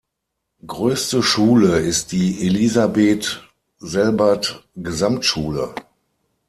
Größte Schule ist die Elisabeth-Selbert-Gesamtschule.